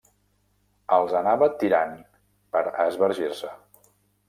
Els anava tirant per a esbargir-se.